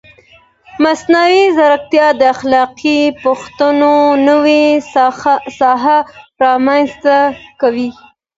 مصنوعي ځیرکتیا د اخلاقي پوښتنو نوې ساحه رامنځته کوي.